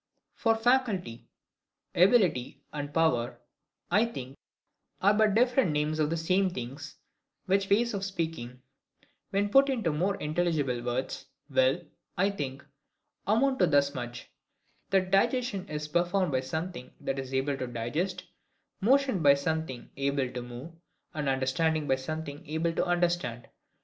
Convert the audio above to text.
For faculty, ability, and power, I think, are but different names of the same things: which ways of speaking, when put into more intelligible words, will, I think, amount to thus much;—That digestion is performed by something that is able to digest, motion by something able to move, and understanding by something able to understand.